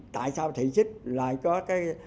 tại sao thị trích lại có cái